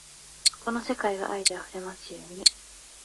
この世界が愛で溢れますように